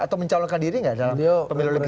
atau mencalonkan diri nggak dalam pemilu presiden